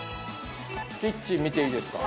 キッチン見ていいですか？